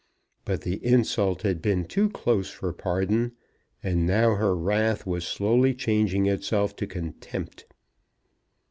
But the insult had been too close for pardon; and now her wrath was slowly changing itself to contempt.